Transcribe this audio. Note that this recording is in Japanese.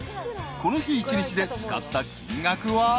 ［この日１日で使った金額は］